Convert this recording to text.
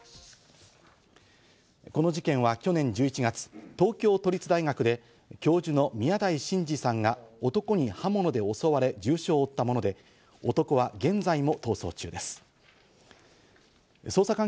この事件は去年１１月、東京都立大学で教授の宮台真司さんが男に刃物で襲われ、重傷を負ったもので、男は現在も逃走中です。